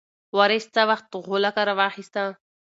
وارث څه وخت غولکه راواخیسته؟